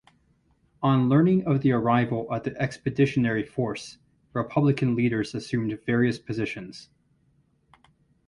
On learning of the arrival of the expeditionary force, republican leaders assumed various positions.